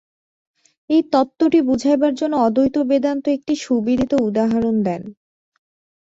এই তত্ত্বটি বুঝাইবার জন্য অদ্বৈত বেদান্ত একটি সুবিদিত উদাহরণ দেন।